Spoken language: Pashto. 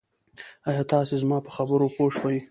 آیا تاسي زما په خبرو پوه شوي